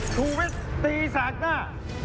ถูกวิทย์ตีสากหน้า